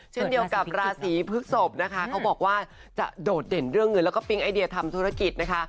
เช่นเดียวกับราศีพฤกษพนะคะเขาบอกว่าจะโดดเด่นเรื่องเงินแล้วก็ปิ๊งไอเดียทำธุรกิจนะคะ